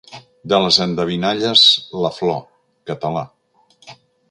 De les endevinalles la Flor.Català.